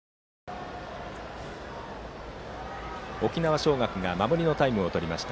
沖縄尚学が守りのタイムを取りました。